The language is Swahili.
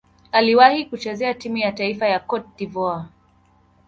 Aliwahi kucheza timu ya taifa ya Cote d'Ivoire.